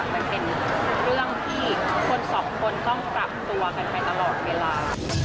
มันเป็นเรื่องที่คนสองคนต้องปรับตัวกันไปตลอดเวลา